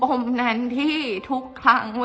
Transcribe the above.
เพราะในตอนนั้นดิวต้องอธิบายให้ทุกคนเข้าใจหัวอกดิวด้วยนะว่า